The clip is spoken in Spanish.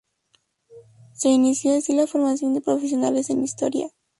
Se inició así la formación de profesionales en Historia.